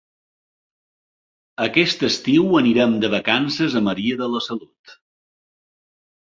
Aquest estiu anirem de vacances a Maria de la Salut.